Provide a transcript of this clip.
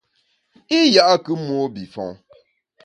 I ya’kù mobifon.